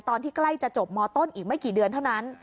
ใกล้จะจบมต้นอีกไม่กี่เดือนเท่านั้น